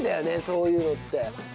そういうのって。